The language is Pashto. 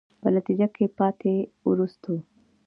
په نتیجه کې پاتې، وروستو.